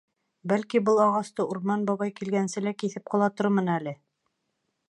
Бәлки, был ағасты Урман бабай килгәнсе лә киҫеп ҡолатырмын әле.